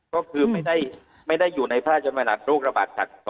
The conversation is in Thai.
ก็คือไม่ได้อยู่ในพบโรคระบาดศัตริย์๒๕๕๘